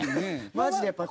マジでやっぱり。